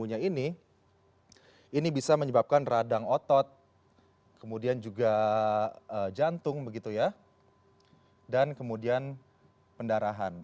penyakit cikungunya ini bisa menyebabkan radang otot jantung dan pendarahan